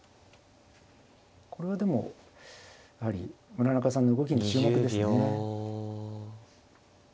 これはでもやはり村中さんの動きに注目ですね。